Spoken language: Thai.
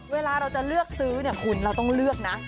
เวลาเราจะเลือกซื้อเนี่ยคุณเราต้องเลือกนะ